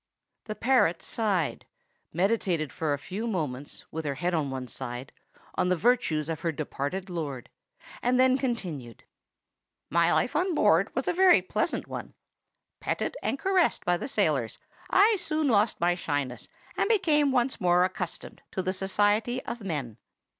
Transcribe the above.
The parrot sighed, meditated for a few moments, with her head on one side, on the virtues of her departed lord, and then continued,— "My life on board ship was a very pleasant one. Petted and caressed by the sailors, I soon lost my shyness, and became once more accustomed to the society of men.